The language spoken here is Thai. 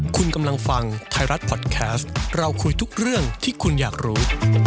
คุณกำลังฟังไทยรัฐพอดแคสต์เราคุยทุกเรื่องที่คุณอยากรู้